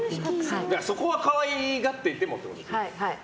そこは可愛がっていてもってことですか。